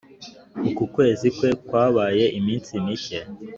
uku kwezi kwe kwabaye iminsi mike